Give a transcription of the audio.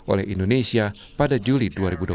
oleh indonesia pada juli dua ribu dua puluh